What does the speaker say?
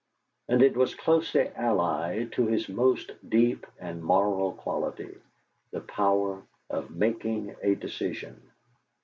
And it was closely allied to his most deep and moral quality the power of making a decision.